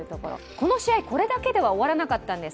この試合、これだけでは終わらなかったんです。